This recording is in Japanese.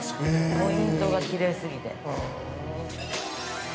ポイントがきれいすぎて。